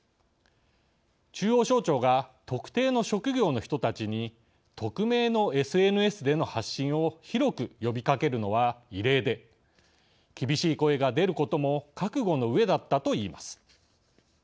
中央省庁が特定の職業の人たちに匿名のＳＮＳでの発信を広く呼びかけるのは異例で厳しい声が出ることも覚悟のうえだったといいます。